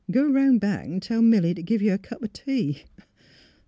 Go 'ronnd back an' tell Milly t' give you a cup of tea.'